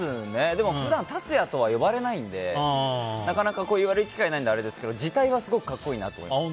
でも普段辰哉とは呼ばれないのでなかなか言われる機会ないのであれですけど字体はすごく格好いいなと思います。